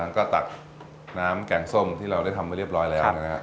ก็ตักน้ำแกงส้มที่เราได้ทำไว้เรียบร้อยแล้วนะฮะ